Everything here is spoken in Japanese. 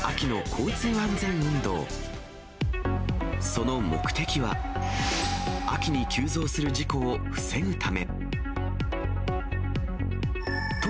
その目的は、秋に急増する事故を防ぐため。